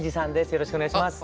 よろしくお願いします。